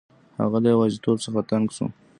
هغه له یوازیتوب څخه تنګ شو.